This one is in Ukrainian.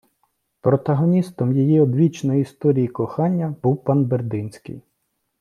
Протагоністом її одвічної історії кохання був пан Бердинський